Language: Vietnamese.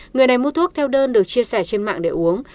người này mua thuốc theo đơn được chia sẻ trên mạng để uống